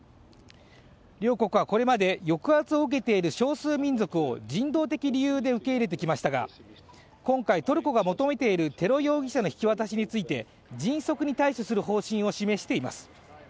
両国はこれまで、抑圧を受けている少数民族を人道的理由で受け入れてきましたが今回、トルコが求めているテロ容疑者の引き渡しについて迅速に対処する方針を示していてます。